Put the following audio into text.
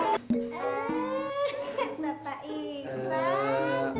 eh bapak ipah